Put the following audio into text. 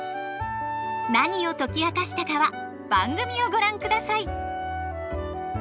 何を解き明かしたかは番組をご覧ください！